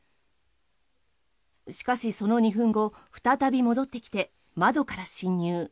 しかし、その２分後再び戻ってきて窓から侵入。